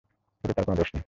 এতে তার কোনো দোষ নেই।